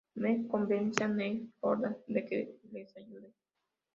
Meg convence a Neil Goldman de que les ayude.